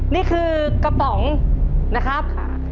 นี่คือกระป๋องนะครับ